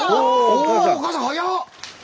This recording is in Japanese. おおおかあさん早っ！